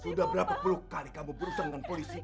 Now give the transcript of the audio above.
sudah berapa puluh kali kamu berurusan dengan polisi